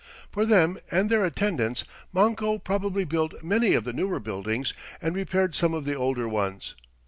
For them and their attendants Manco probably built many of the newer buildings and repaired some of the older ones.